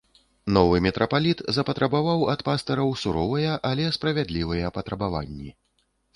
Новы мітрапаліт запатрабаваў ад пастыраў суровыя, але справядлівыя патрабаванні.